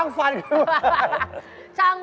ก่อนจะล้างฝัน